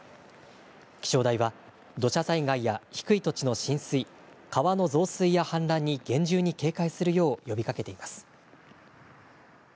気象台は土砂災害や低い土地の浸水、川の増水や氾濫に厳重に警戒するよう呼びかけています。